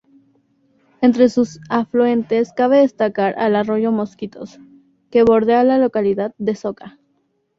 Entre sus afluentes cabe destacar al arroyo Mosquitos, que bordea la localidad de Soca.